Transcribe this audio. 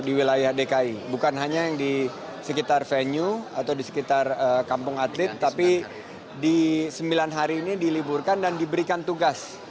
di wilayah dki bukan hanya yang di sekitar venue atau di sekitar kampung atlet tapi di sembilan hari ini diliburkan dan diberikan tugas